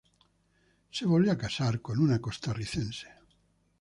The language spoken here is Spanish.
Se volvió a casar con una costarricense.